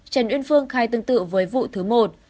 trần uyên phương khai tương tự với vụ thứ một